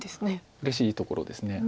うれしいところです。